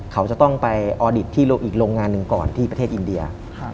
เขาจะต้องไปออดิตที่อีกโรงงานหนึ่งก่อนที่ประเทศอินเดีย